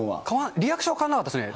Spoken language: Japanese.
リアクションは変わらなかったですね。